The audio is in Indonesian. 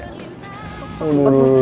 kita kecepat dulu